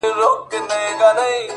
o ويني ته مه څښه اوبه وڅښه؛